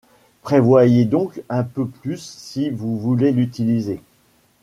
Prévoyez donc un peu plus si vous voulez l'utiliser.